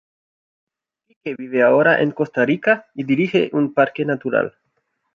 Kike vive ahora en Costa Rica y dirige un parque natural.